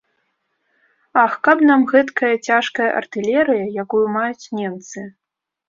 Ах, каб нам гэткая цяжкая артылерыя, якую маюць немцы.